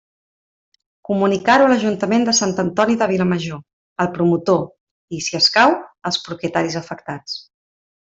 Comunicar-ho a l'Ajuntament de Sant Antoni de Vilamajor, al promotor i, si escau, als propietaris afectats.